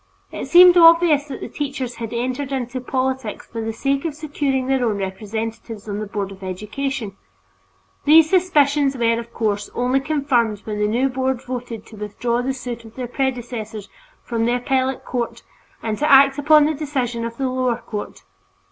It seemed obvious that the teachers had entered into politics for the sake of securing their own representatives on the Board of Education. These suspicions were, of course, only confirmed when the new board voted to withdraw the suit of their predecessors from the Appellate Court and to act upon the decision of the lower court.